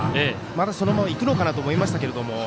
まだ、そのままいくのかなと思いましたが。